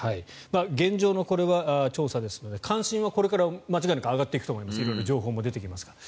現状の調査ですので関心は間違いなく上がっていくと思うので情報も出てきますから。